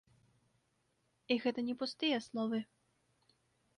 І гэта не пустыя словы.